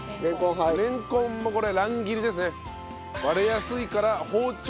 レンコンもこれ乱切りですね。